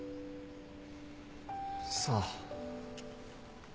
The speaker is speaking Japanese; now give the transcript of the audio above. さあ。